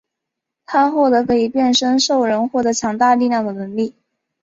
他获得可以变身兽人获得强大力量的能力。